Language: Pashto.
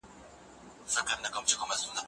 ایا پوهنتون ستا په مشوره استاد وټاکه؟